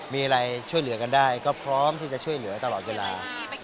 มีอะไรช่วยเหลือกันได้ก็พร้อมที่จะช่วยเหลือตลอดเวลา